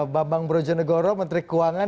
bambang brojonegoro menteri keuangan